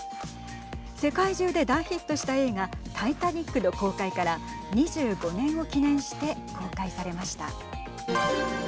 世界中で大ヒットした映画タイタニックの公開から２５年を記念して公開されました。